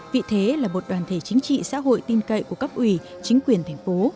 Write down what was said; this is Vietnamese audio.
vị thế là một đoàn thể chính trị xã hội tin cậy của cấp ủy chính quyền thành phố